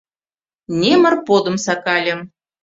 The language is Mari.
Немыр подым сакальым.